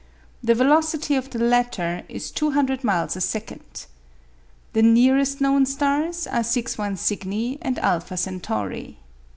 The velocity of the latter is 200 miles a second. The nearest known stars are 61 Cygni and [alpha] Centauri.